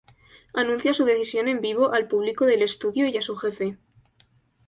Anuncia su decisión en vivo al público del estudio y a su jefe.